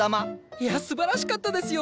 いやすばらしかったですよ。